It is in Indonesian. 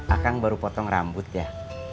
akan baru potong rambut ya